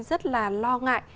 rất là lo ngại